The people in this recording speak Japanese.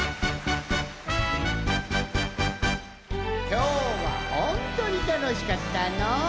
きょうはほんとにたのしかったのう。